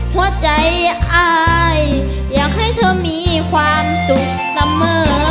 หัวใจอายอยากให้เธอมีความสุขเสมอ